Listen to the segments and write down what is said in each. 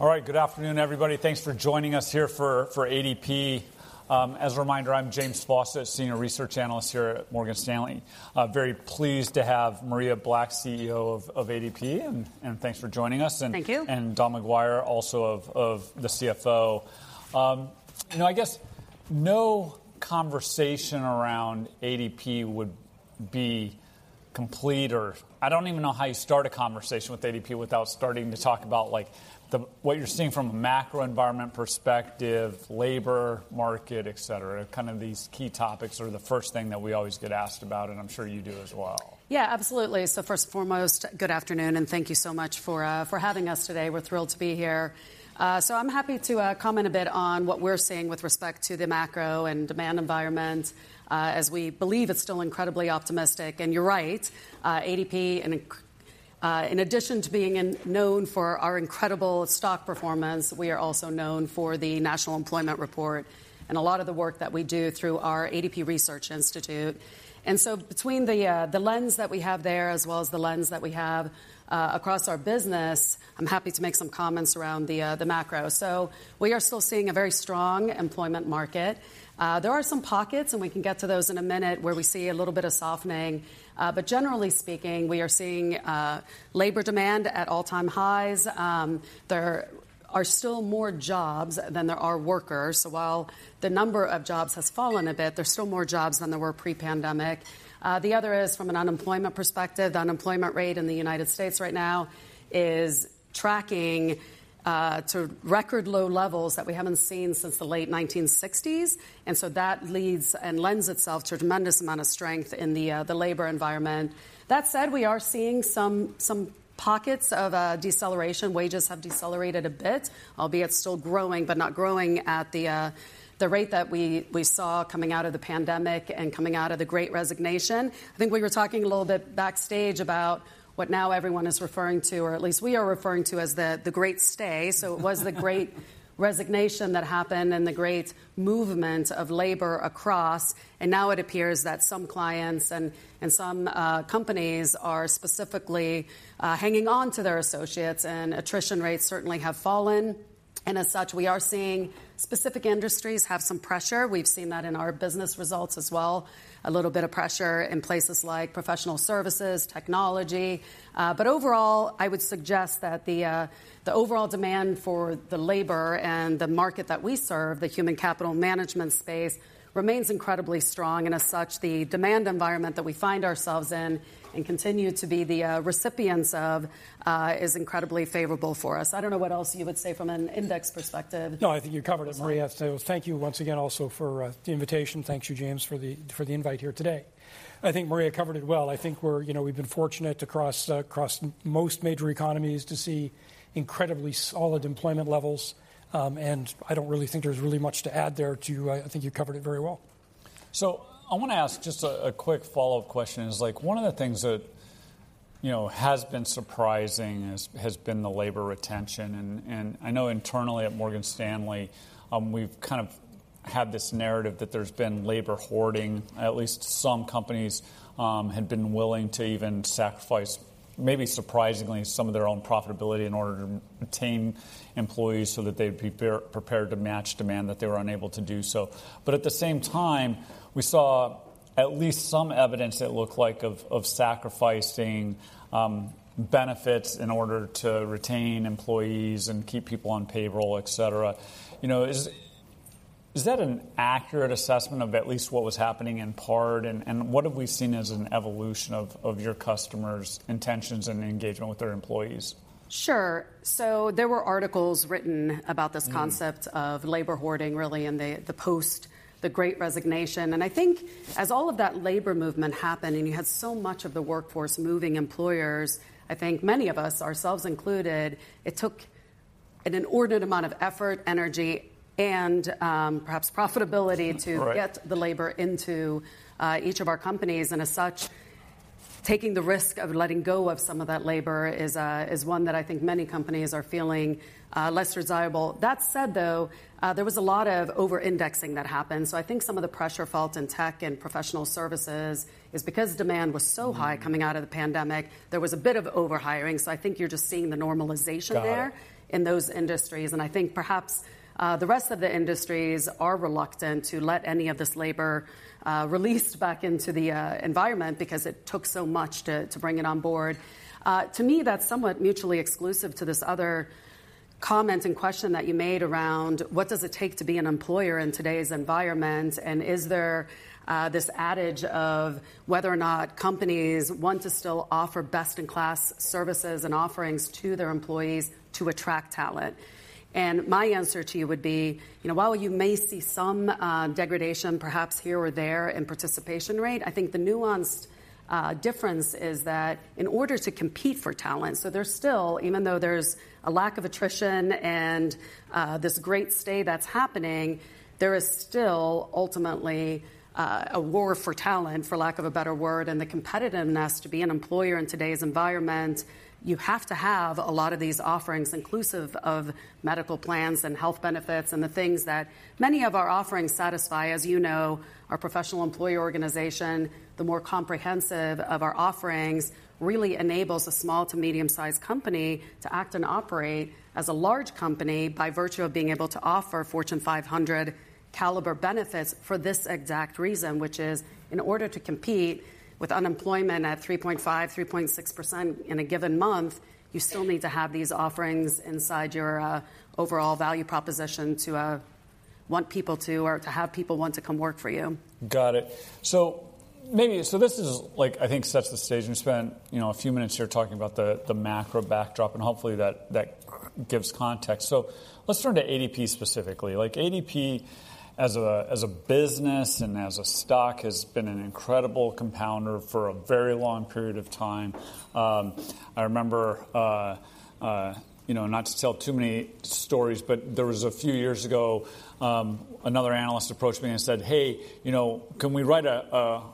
All right. Good afternoon, everybody. Thanks for joining us here for ADP. As a reminder, I'm James Faucette, senior research analyst here at Morgan Stanley. Very pleased to have Maria Black, CEO of ADP, and thanks for joining us. Thank you. And Don McGuire, also of the CFO. You know, I guess no conversation around ADP would be complete, or I don't even know how you start a conversation with ADP without starting to talk about, like, the what you're seeing from a macro environment perspective, labor market, et cetera. Kind of these key topics are the first thing that we always get asked about, and I'm sure you do as well. Yeah, absolutely. So first and foremost, good afternoon, and thank you so much for having us today. We're thrilled to be here. So I'm happy to comment a bit on what we're seeing with respect to the macro and demand environment, as we believe it's still incredibly optimistic. And you're right, ADP, and in addition to being known for our incredible stock performance, we are also known for the National Employment Report and a lot of the work that we do through our ADP Research Institute. And so between the lens that we have there, as well as the lens that we have across our business, I'm happy to make some comments around the macro. So we are still seeing a very strong employment market. There are some pockets, and we can get to those in a minute, where we see a little bit of softening. But generally speaking, we are seeing labor demand at all-time highs. There are still more jobs than there are workers. So while the number of jobs has fallen a bit, there's still more jobs than there were pre-pandemic. The other is, from an unemployment perspective, the unemployment rate in the United States right now is tracking to record low levels that we haven't seen since the late 1960s. And so that leads and lends itself to a tremendous amount of strength in the labor environment. That said, we are seeing some pockets of deceleration. Wages have decelerated a bit, albeit still growing, but not growing at the, the rate that we, we saw coming out of the pandemic and coming out of the Great Resignation. I think we were talking a little bit backstage about what now everyone is referring to, or at least we are referring to, as the, the Great Stay. So it was the Great Resignation that happened and the great movement of labor across, and now it appears that some clients and, and some, companies are specifically hanging on to their associates, and attrition rates certainly have fallen. And as such, we are seeing specific industries have some pressure. We've seen that in our business results as well, a little bit of pressure in places like professional services, technology. But overall, I would suggest that the overall demand for the labor and the market that we serve, the human capital management space, remains incredibly strong. And as such, the demand environment that we find ourselves in and continue to be the recipients of is incredibly favorable for us. I don't know what else you would say from an index perspective. No, I think you covered it, Maria. So thank you once again also for the invitation. Thank you, James, for the invite here today. I think Maria covered it well. I think we're. You know, we've been fortunate across most major economies to see incredibly solid employment levels. And I don't really think there's really much to add there, too. I think you covered it very well. So I want to ask just a quick follow-up question. Like, one of the things that, you know, has been surprising is the labor retention. I know internally at Morgan Stanley, we've kind of had this narrative that there's been labor hoarding. At least some companies had been willing to even sacrifice, maybe surprisingly, some of their own profitability in order to retain employees so that they'd be pre-prepared to match demand, that they were unable to do so. But at the same time, we saw at least some evidence it looked like of sacrificing benefits in order to retain employees and keep people on payroll, et cetera. You know, is that an accurate assessment of at least what was happening in part, and what have we seen as an evolution of your customers' intentions and engagement with their employees? Sure. So there were articles written about this. Mm. Concept of labor hoarding, really, in the post the Great Resignation. And I think as all of that labor movement happened, and you had so much of the workforce moving, employers, I think many of us, ourselves included, it took an inordinate amount of effort, energy, and perhaps profitability. Right. To get the labor into, each of our companies. And as such, taking the risk of letting go of some of that labor is, is one that I think many companies are feeling, less desirable. That said, though, there was a lot of over-indexing that happened. So I think some of the pressure felt in tech and professional services is because demand was so. Mm. High coming out of the pandemic, there was a bit of over-hiring. So I think you're just seeing the normalization there. Got it. In those industries. I think perhaps the rest of the industries are reluctant to let any of this labor released back into the environment because it took so much to bring it on board. To me, that's somewhat mutually exclusive to this other comment and question that you made around: What does it take to be an employer in today's environment? Is there this adage of whether or not companies want to still offer best-in-class services and offerings to their employees to attract talent? My answer to you would be, you know, while you may see some degradation perhaps here or there in participation rate, I think the nuanced difference is that in order to compete for talent. So there's still, even though there's a lack of attrition and this Great Stay that's happening, there is still ultimately a war for talent, for lack of a better word. And the competitiveness to be an employer in today's environment, you have to have a lot of these offerings, inclusive of medical plans and health benefits, and the things that many of our offerings satisfy. As you know, our professional employer organization, the more comprehensive of our offerings, really enables a small to medium-sized company to act and operate as a large company by virtue of being able to offer Fortune 500 caliber benefits for this exact reason, which is, in order to compete with unemployment at 3.5%-3.6% in a given month, you still need to have these offerings inside your overall value proposition to. Want people to, or to have people want to come work for you. Got it. So maybe this is, like, I think, sets the stage. We spent, you know, a few minutes here talking about the macro backdrop, and hopefully that gives context. So let's turn to ADP specifically. Like, ADP, as a business and as a stock, has been an incredible compounder for a very long period of time. I remember, you know, not to tell too many stories, but there was a few years ago, another analyst approached me and said: "Hey, you know, can we write an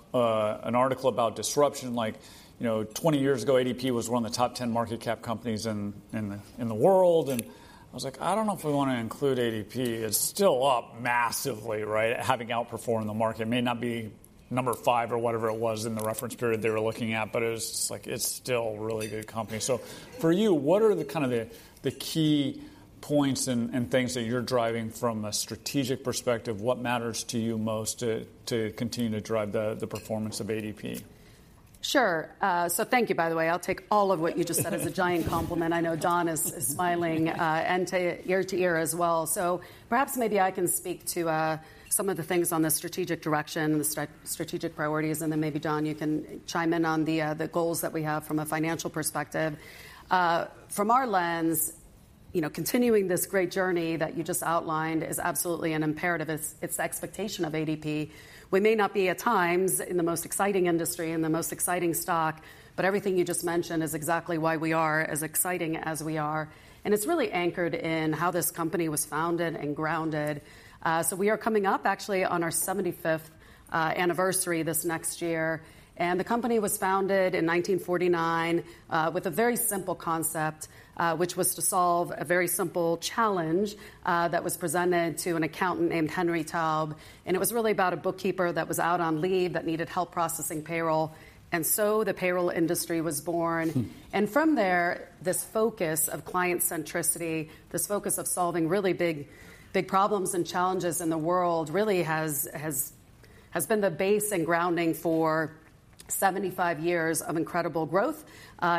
article about disruption? Like, you know, 20 years ago, ADP was one of the top 10 market cap companies in the world." And I was like: I don't know if we want to include ADP. It's still up massively, right? Having outperformed the market. Maybe not be Number 5 or whatever it was in the reference period they were looking at, but it was just like, it's still a really good company. So for you, what are the kind of key points and things that you're driving from a strategic perspective? What matters to you most to continue to drive the performance of ADP? Sure. So thank you, by the way. I'll take all of what you just said as a giant compliment. I know Don is smiling ear to ear as well. So perhaps maybe I can speak to some of the things on the strategic direction, the strategic priorities, and then maybe, Don, you can chime in on the goals that we have from a financial perspective. From our lens, you know, continuing this great journey that you just outlined is absolutely an imperative. It's the expectation of ADP. We may not be, at times, in the most exciting industry and the most exciting stock, but everything you just mentioned is exactly why we are as exciting as we are, and it's really anchored in how this company was founded and grounded. So we are coming up actually on our 75th anniversary this next year, and the company was founded in 1949 with a very simple concept, which was to solve a very simple challenge that was presented to an accountant named Henry Taub. It was really about a bookkeeper that was out on leave that needed help processing payroll, and so the payroll industry was born. Hmm. From there, this focus of client centricity, this focus of solving really big, big problems and challenges in the world, really has been the base and grounding for 75 years of incredible growth,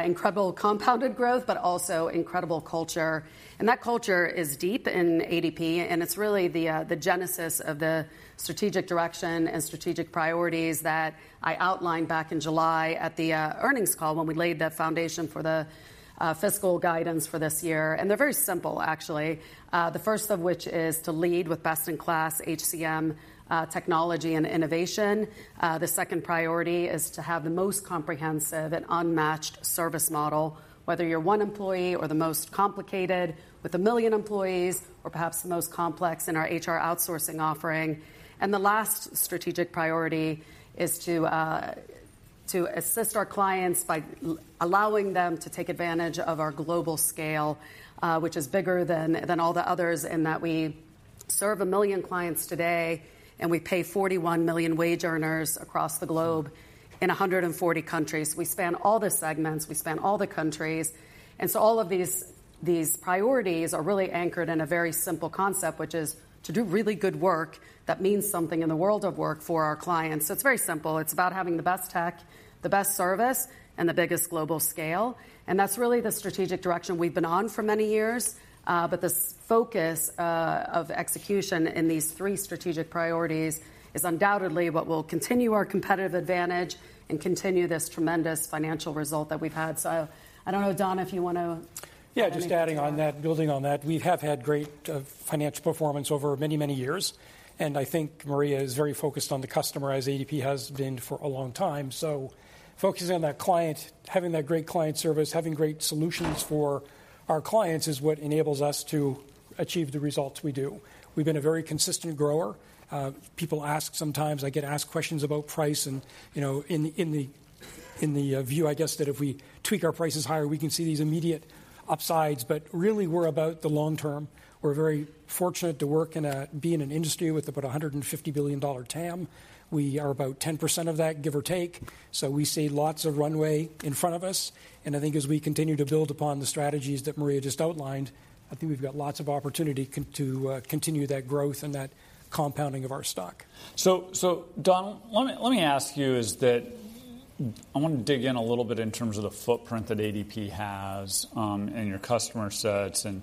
incredible compounded growth, but also incredible culture. That culture is deep in ADP, and it's really the genesis of the strategic direction and strategic priorities that I outlined back in July at the earnings call when we laid the foundation for the fiscal guidance for this year. They're very simple, actually. The first of which is to lead with best-in-class HCM technology and innovation. The second priority is to have the most comprehensive and unmatched service model, whether you're one employee or the most complicated, with a million employees or perhaps the most complex in our HR outsourcing offering. And the last strategic priority is to assist our clients by allowing them to take advantage of our global scale, which is bigger than all the others, in that we serve a million clients today, and we pay 41 million wage earners across the globe in 140 countries. We span all the segments, we span all the countries, and so all of these priorities are really anchored in a very simple concept, which is to do really good work that means something in the world of work for our clients. So it's very simple. It's about having the best tech, the best service, and the biggest global scale, and that's really the strategic direction we've been on for many years. But the focus of execution in these three strategic priorities is undoubtedly what will continue our competitive advantage and continue this tremendous financial result that we've had. So I don't know, Don, if you want to. Yeah, just adding on that, building on that, we have had great financial performance over many, many years, and I think Maria is very focused on the customer, as ADP has been for a long time. So focusing on that client, having that great client service, having great solutions for our clients, is what enables us to achieve the results we do. We've been a very consistent grower. People ask sometimes. I get asked questions about price and, you know, in the view, I guess, that if we tweak our prices higher, we can see these immediate upsides, but really, we're about the long term. We're very fortunate to be in an industry with about a $150 billion TAM. We are about 10% of that, give or take, so we see lots of runway in front of us, and I think as we continue to build upon the strategies that Maria just outlined, I think we've got lots of opportunity to continue that growth and that compounding of our stock. So, Don, let me ask you. I want to dig in a little bit in terms of the footprint that ADP has, and your customer sets, and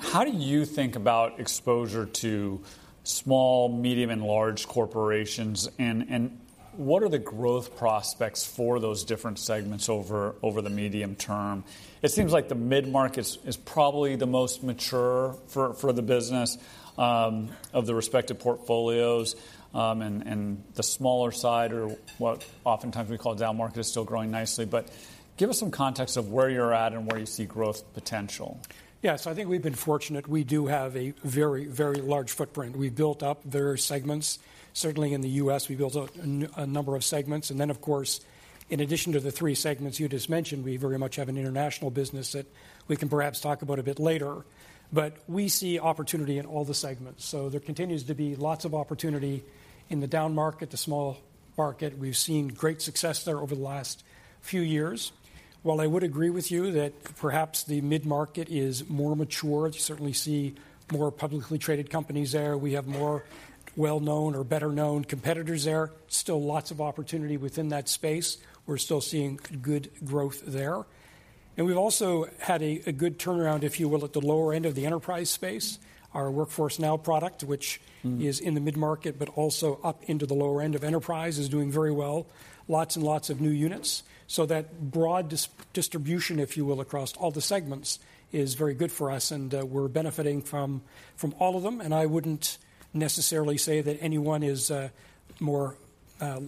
how do you think about exposure to small, medium, and large corporations, and what are the growth prospects for those different segments over the medium term? It seems like the mid-market is probably the most mature for the business of the respective portfolios, and the smaller side, or what oftentimes we call downmarket, is still growing nicely. But give us some context of where you're at and where you see growth potential. Yeah. So I think we've been fortunate. We do have a very, very large footprint. We built up their segments. Certainly, in the U.S., we built up a number of segments, and then, of course, in addition to the three segments you just mentioned, we very much have an international business that we can perhaps talk about a bit later. But we see opportunity in all the segments, so there continues to be lots of opportunity in the downmarket, the small market. We've seen great success there over the last few years. While I would agree with you that perhaps the mid-market is more mature, you certainly see more publicly traded companies there. We have more well-known or better-known competitors there. Still lots of opportunity within that space. We're still seeing good growth there. We've also had a good turnaround, if you will, at the lower end of the enterprise space. Our Workforce Now product, which. Mm. is in the mid-market, but also up into the lower end of enterprise, is doing very well. Lots and lots of new units. So that broad distribution, if you will, across all the segments, is very good for us, and we're benefiting from all of them, and I wouldn't necessarily say that any one is more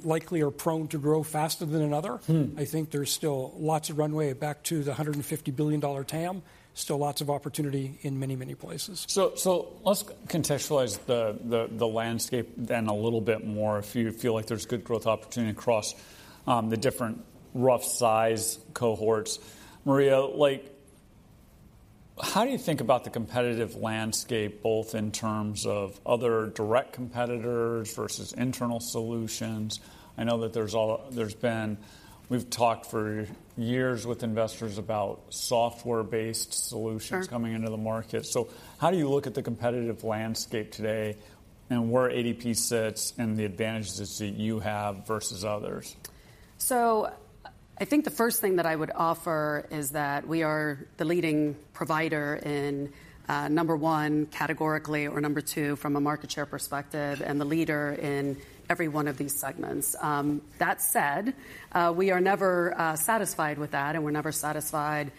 likely or prone to grow faster than another. Hmm. I think there's still lots of runway back to the $150 billion TAM. Still lots of opportunity in many, many places. So let's contextualize the landscape then a little bit more if you feel like there's good growth opportunity across the different rough size cohorts. Maria, like, how do you think about the competitive landscape, both in terms of other direct competitors versus internal solutions? I know that there's been. We've talked for years with investors about software-based solutions. Sure. Coming into the market. How do you look at the competitive landscape today, and where ADP sits, and the advantages that you have versus others? I think the first thing that I would offer is that we are the leading provider in, Number 1, categorically, or Number 2, from a market share perspective, and the leader in every one of these segments. That said, we are never satisfied with that, and we're never satisfied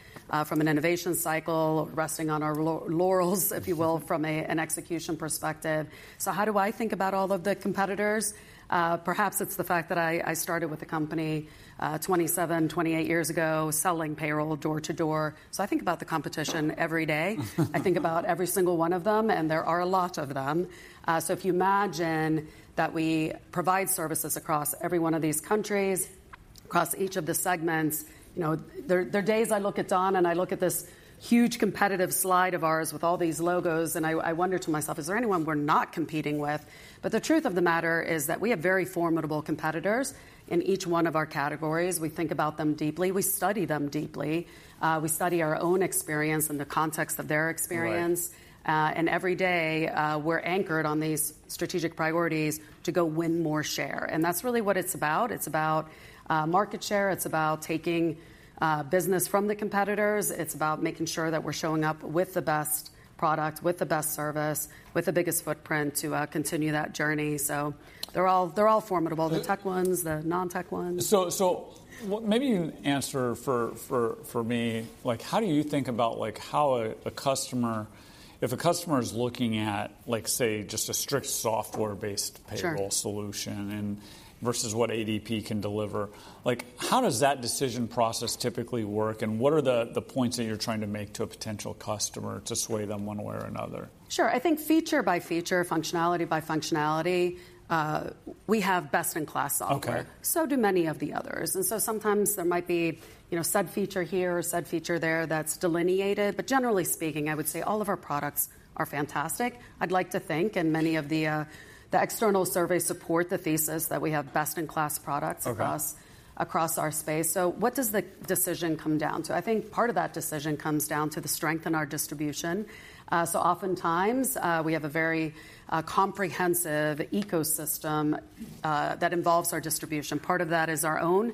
from an innovation cycle, resting on our laurels, if you will, from an execution perspective. How do I think about all of the competitors? Perhaps it's the fact that I started with the company 27, 28 years ago, selling payroll door to door, so I think about the competition every day. I think about every single one of them, and there are a lot of them. If you imagine that we provide services across every one of these countries, across each of the segments. You know, there are days I look at Don, and I look at this huge competitive slide of ours with all these logos, and I wonder to myself, "Is there anyone we're not competing with?" But the truth of the matter is that we have very formidable competitors in each one of our categories. We think about them deeply. We study them deeply. We study our own experience in the context of their experience. Right. And every day, we're anchored on these strategic priorities to go win more share, and that's really what it's about. It's about, market share. It's about taking, business from the competitors. It's about making sure that we're showing up with the best product, with the best service, with the biggest footprint to, continue that journey. So they're all, they're all formidable. The. The tech ones, the non-tech ones. So, what. Maybe you can answer for me, like, how do you think about, like, how a customer, if a customer is looking at, like, say, just a strict software-based payroll solution- Sure. And versus what ADP can deliver, like, how does that decision process typically work, and what are the points that you're trying to make to a potential customer to sway them one way or another? Sure. I think feature by feature, functionality by functionality, we have best-in-class software. Okay. So do many of the others. And so sometimes there might be, you know, said feature here or said feature there that's delineated, but generally speaking, I would say all of our products are fantastic. I'd like to think, and many of the external surveys support the thesis that we have best-in-class products. Okay. Across our space. So what does the decision come down to? I think part of that decision comes down to the strength in our distribution. So oftentimes, we have a very comprehensive ecosystem that involves our distribution. Part of that is our own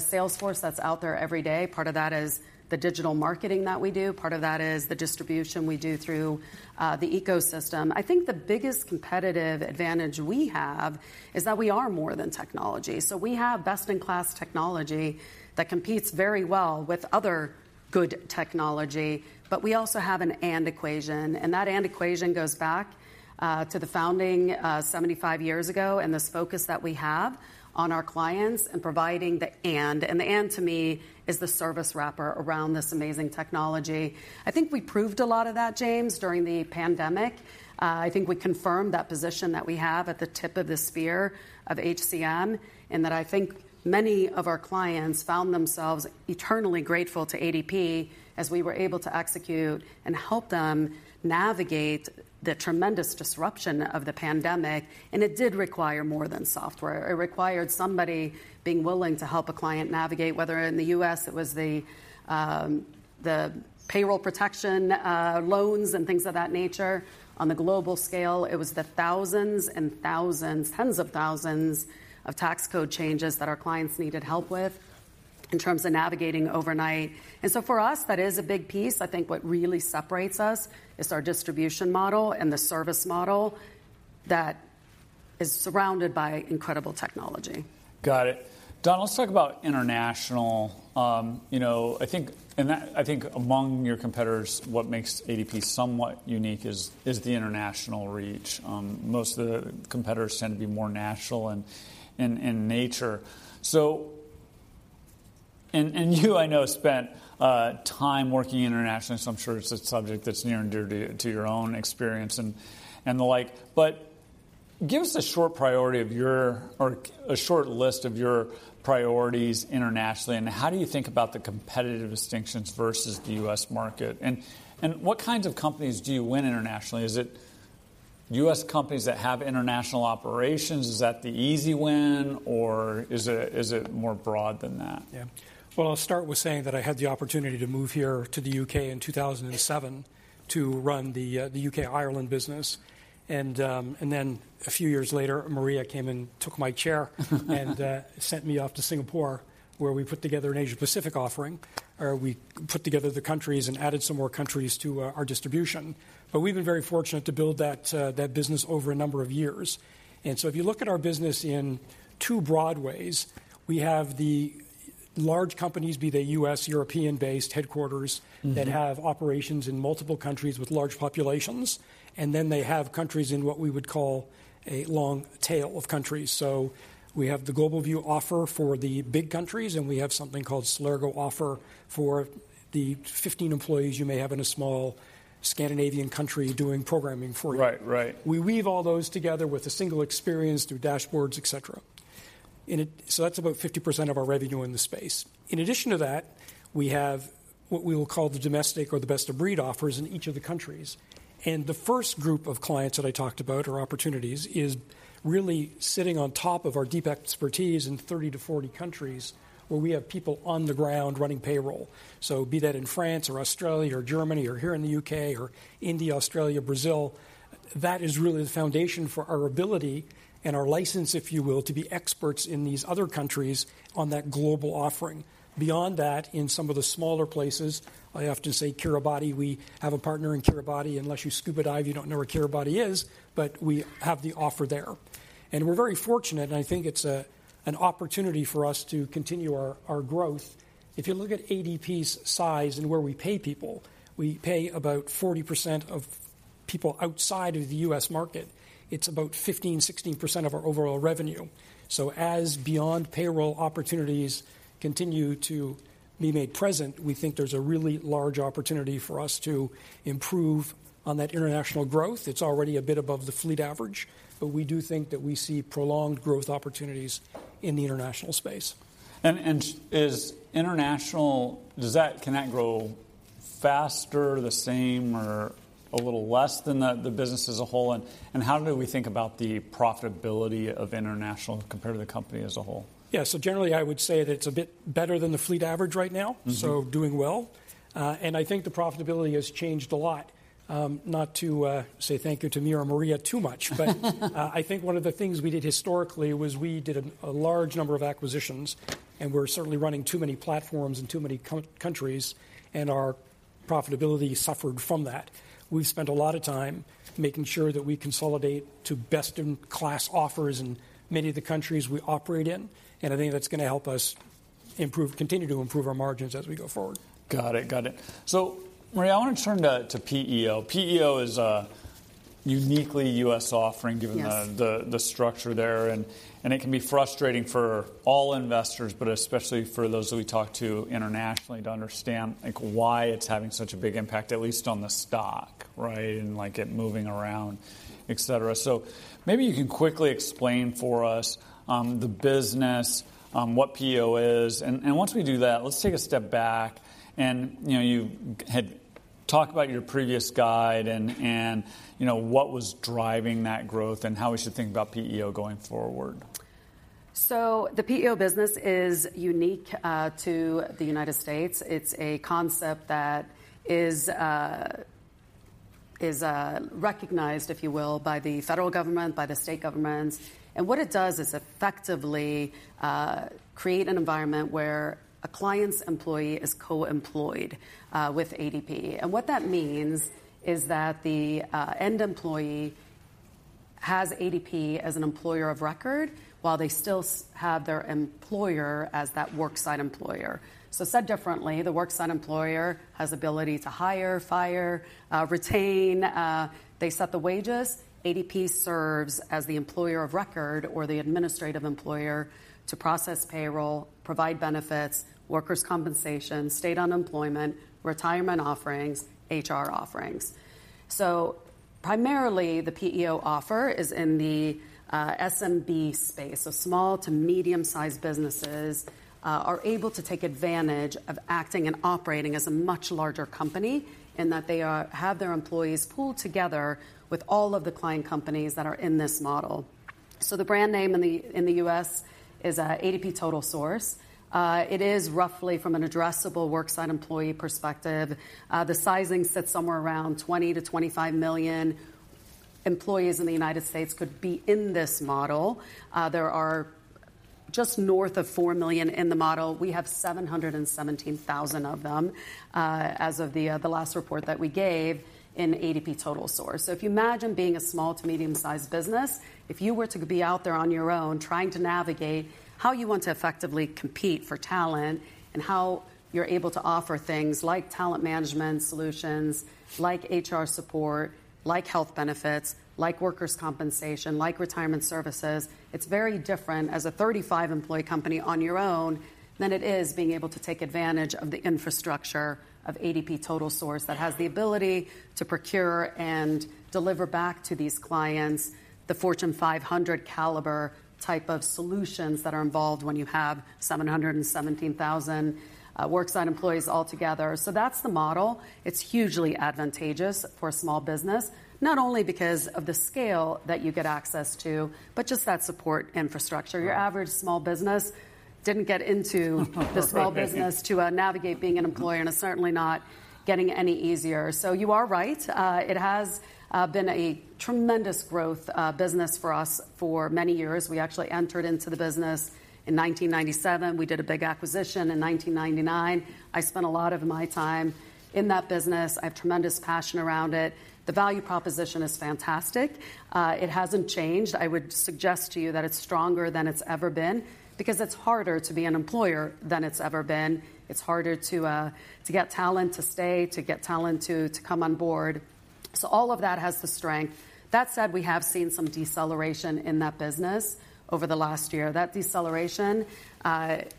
sales force that's out there every day. Part of that is the digital marketing that we do. Part of that is the distribution we do through the ecosystem. I think the biggest competitive advantage we have is that we are more than technology. So we have best-in-class technology that competes very well with other good technology, but we also have an and equation, and that and equation goes back to the founding 75 years ago, and this focus that we have on our clients and providing the and. And the and, to me, is the service wrapper around this amazing technology. I think we proved a lot of that, James, during the pandemic. I think we confirmed that position that we have at the tip of the spear of HCM, and that I think many of our clients found themselves eternally grateful to ADP as we were able to execute and help them navigate the tremendous disruption of the pandemic, and it did require more than software. It required somebody being willing to help a client navigate, whether in the U.S., it was the, the payroll protection loans, and things of that nature. On the global scale, it was the thousands and thousands, tens of thousands of tax code changes that our clients needed help with in terms of navigating overnight. And so for us, that is a big piece. I think what really separates us is our distribution model and the service model that is surrounded by incredible technology. Got it. Don, let's talk about international. You know, I think among your competitors, what makes ADP somewhat unique is the international reach. Most of the competitors tend to be more national in nature. So, and you, I know, spent time working internationally, so I'm sure it's a subject that's near and dear to your own experience and the like. But give us a short priority of your, or a short list of your priorities internationally, and how do you think about the competitive distinctions versus the U.S. market? And what kinds of companies do you win internationally? Is it U.S. companies that have international operations, is that the easy win, or is it more broad than that? Yeah. Well, I'll start with saying that I had the opportunity to move here to the U.K. in 2007 to run the U.K., Ireland business. And then a few years later, Maria came and took my chair and sent me off to Singapore, where we put together an Asia-Pacific offering, or we put together the countries and added some more countries to our distribution. But we've been very fortunate to build that business over a number of years. And so if you look at our business in two broad ways, we have the large companies, be they U.S., European-based headquarters. Mm-hmm. That have operations in multiple countries with large populations, and then they have countries in what we would call a long tail of countries. So we have the GlobalView offer for the big countries, and we have something called Celergo offer for the 15 employees you may have in a small Scandinavian country doing programming for you. Right. Right. We weave all those together with a single experience through dashboards, et cetera. So that's about 50% of our revenue in the space. In addition to that, we have what we will call the domestic or the best-of-breed offers in each of the countries. The first group of clients that I talked about, or opportunities, is really sitting on top of our deep expertise in 30-40 countries, where we have people on the ground running payroll. So be that in France or Australia or Germany or here in the UK or India, Australia, Brazil, that is really the foundation for our ability and our license, if you will, to be experts in these other countries on that global offering. Beyond that, in some of the smaller places, I have to say Kiribati, we have a partner in Kiribati. Unless you scuba dive, you don't know where Kiribati is, but we have the offer there. We're very fortunate, and I think it's an opportunity for us to continue our growth. If you look at ADP's size and where we pay people, we pay about 40% of people outside of the U.S. market. It's about 15%-16% of our overall revenue. As beyond payroll opportunities continue to be made present, we think there's a really large opportunity for us to improve on that international growth. It's already a bit above the fleet average, but we do think that we see prolonged growth opportunities in the international space. Is international. Does that, can that grow faster, the same, or a little less than the business as a whole? And how do we think about the profitability of international compared to the company as a whole? Yeah. So generally, I would say that it's a bit better than the fleet average right now. Mm-hmm. So doing well. And I think the profitability has changed a lot. Not to say thank you to me or Maria too much, but I think one of the things we did historically was we did a large number of acquisitions, and we're certainly running too many platforms in too many countries, and our profitability suffered from that. We've spent a lot of time making sure that we consolidate to best-in-class offers in many of the countries we operate in, and I think that's gonna help us improve, continue to improve our margins as we go forward. Got it. Got it. So, Maria, I want to turn to, to PEO. PEO is a uniquely U.S. offering, given the. Yes. The structure there, and it can be frustrating for all investors, but especially for those that we talk to internationally, to understand, like, why it's having such a big impact, at least on the stock, right? And, like, it moving around, et cetera. So maybe you can quickly explain for us, the business, what PEO is. And once we do that, let's take a step back and, you know, you had talked about your previous guide and, you know, what was driving that growth and how we should think about PEO going forward. So the PEO business is unique to the United States. It's a concept that is recognized, if you will, by the federal government, by the state governments. What it does is effectively create an environment where a client's employee is co-employed with ADP. And what that means is that the end employee has ADP as an employer of record, while they still have their employer as that worksite employer. So said differently, the worksite employer has ability to hire, fire, retain, they set the wages. ADP serves as the employer of record or the administrative employer to process payroll, provide benefits, workers' compensation, state unemployment, retirement offerings, HR offerings. So primarily, the PEO offer is in the SMB space. So small to medium-sized businesses are able to take advantage of acting and operating as a much larger company in that they are, have their employees pooled together with all of the client companies that are in this model. So the brand name in the, in the U.S. is ADP TotalSource. It is roughly from an addressable worksite employee perspective, the sizing sits somewhere around 20-25 million employees in the United States could be in this model. There are just north of 4 million in the model. We have 717,000 of them, as of the, the last report that we gave in ADP TotalSource. So if you imagine being a small to medium-sized business, if you were to be out there on your own, trying to navigate how you want to effectively compete for talent and how you're able to offer things like talent management solutions, like HR support, like health benefits, like workers' compensation, like retirement services, it's very different as a 35-employee company on your own than it is being able to take advantage of the infrastructure of ADP TotalSource that has the ability to procure and deliver back to these clients the Fortune 500 caliber type of solutions that are involved when you have 717,000 worksite employees altogether. So that's the model. It's hugely advantageous for small business, not only because of the scale that you get access to, but just that support infrastructure. Mm. Your average small business didn't get into this small business. Right. To navigate being an employer, and it's certainly not getting any easier. So you are right. It has been a tremendous growth business for us for many years. We actually entered into the business in 1997. We did a big acquisition in 1999. I spent a lot of my time in that business. I have tremendous passion around it. The value proposition is fantastic. It hasn't changed. I would suggest to you that it's stronger than it's ever been because it's harder to be an employer than it's ever been. It's harder to to get talent to stay, to get talent to, to come on board. So all of that has the strength. That said, we have seen some deceleration in that business over the last year. That deceleration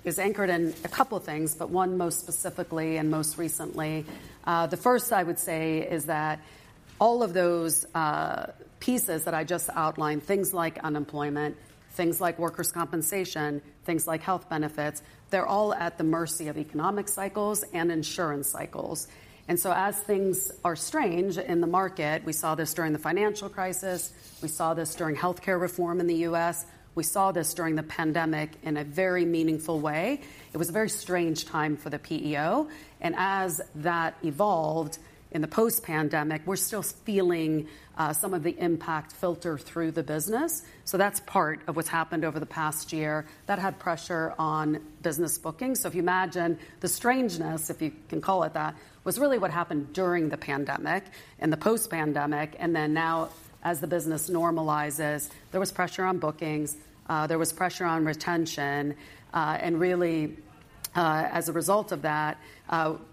is anchored in a couple things, but one most specifically, and most recently. The first I would say is that all of those, pieces that I just outlined, things like unemployment, things like workers' compensation, things like health benefits, they're all at the mercy of economic cycles and insurance cycles. And so as things are strange in the market. We saw this during the financial crisis, we saw this during healthcare reform in the U.S., we saw this during the pandemic in a very meaningful way. It was a very strange time for the PEO, and as that evolved in the post-pandemic, we're still feeling, some of the impact filter through the business. So that's part of what's happened over the past year. That had pressure on business bookings. So if you imagine the strangeness, if you can call it that, was really what happened during the pandemic and the post-pandemic, and then now as the business normalizes, there was pressure on bookings, there was pressure on retention. And really, as a result of that,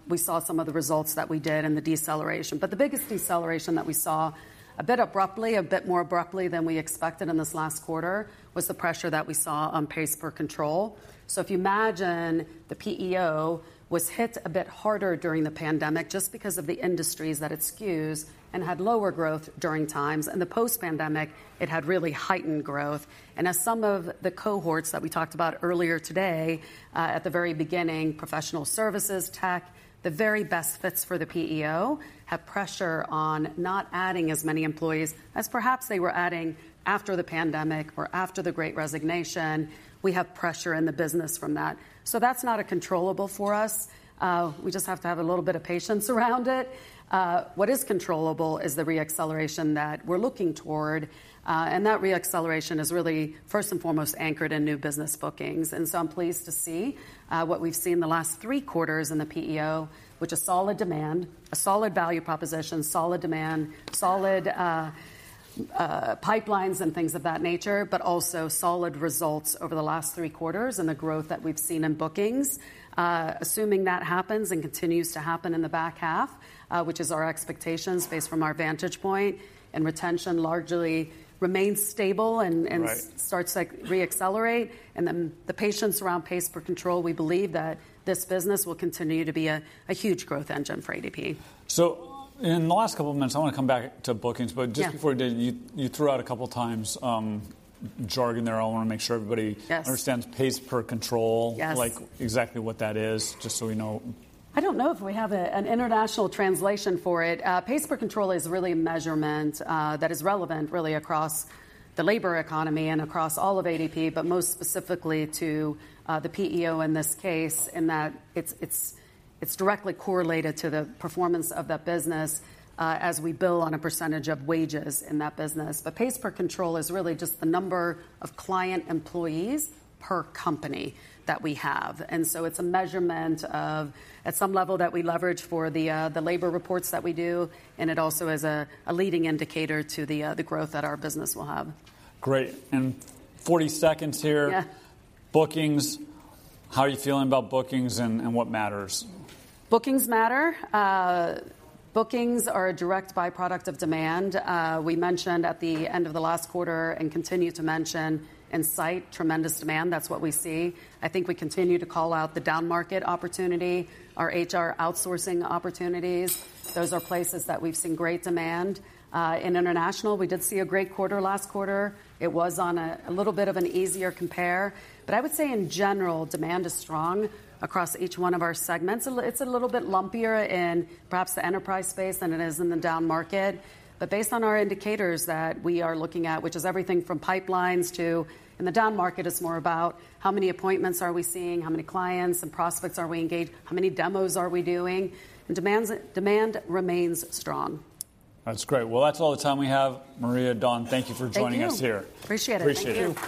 we saw some of the results that we did in the deceleration. But the biggest deceleration that we saw, a bit abruptly, a bit more abruptly than we expected in this last quarter, was the pressure that we saw on pays per control. So if you imagine, the PEO was hit a bit harder during the pandemic just because of the industries that it skews and had lower growth during times, in the post-pandemic, it had really heightened growth. As some of the cohorts that we talked about earlier today, at the very beginning, professional services, tech, the very best fits for the PEO, have pressure on not adding as many employees as perhaps they were adding after the pandemic or after the Great Resignation. We have pressure in the business from that. That's not a controllable for us. We just have to have a little bit of patience around it. What is controllable is the re-acceleration that we're looking toward, and that re-acceleration is really first and foremost anchored in new business bookings. And so I'm pleased to see what we've seen in the last three quarters in the PEO, which is solid demand, a solid value proposition, solid demand, solid pipelines and things of that nature, but also solid results over the last three quarters and the growth that we've seen in bookings. Assuming that happens and continues to happen in the back half, which is our expectations based from our vantage point, and retention largely remains stable and and. Right. Starts to, like, re-accelerate, and then the patience around pays per control, we believe that this business will continue to be a huge growth engine for ADP. In the last couple of minutes, I want to come back to bookings. Yeah. But just before we do, you threw out a couple times jargon there. I want to make sure everybody. Yes. Understands pays per control. Yes. Like, exactly what that is, just so we know. I don't know if we have an international translation for it. Pays per control is really a measurement that is relevant really across the labor economy and across all of ADP, but most specifically to the PEO in this case, in that it's directly correlated to the performance of that business, as we bill on a percentage of wages in that business. But pays per control is really just the number of client employees per company that we have, and so it's a measurement of at some level that we leverage for the labor reports that we do, and it also is a leading indicator to the growth that our business will have. Great. And 40 seconds here. Yeah. Bookings, how are you feeling about bookings and, and what matters? Bookings matter. Bookings are a direct by-product of demand. We mentioned at the end of the last quarter and continue to mention and cite tremendous demand. That's what we see. I think we continue to call out the down-market opportunity, our HR outsourcing opportunities. Those are places that we've seen great demand. In international, we did see a great quarter last quarter. It was on a little bit of an easier compare, but I would say in general, demand is strong across each one of our segments. It's a little bit lumpier in perhaps the enterprise space than it is in the down market. But based on our indicators that we are looking at, which is everything from pipelines to. In the down market, it's more about how many appointments are we seeing, how many clients and prospects are we engaged, how many demos are we doing? Demand remains strong. That's great. Well, that's all the time we have. Maria, Don, thank you for joining us here. Thank you. Appreciate it. Appreciate it. Thank you.